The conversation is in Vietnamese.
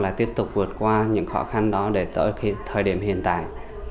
là tiếp tục vượt qua những khó khăn đó để tới thời điểm hiện tại